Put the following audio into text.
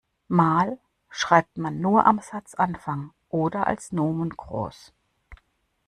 Mal schreibt man nur am Satzanfang oder als Nomen groß.